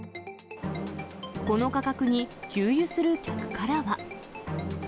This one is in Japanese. この価格に、給油する客からは。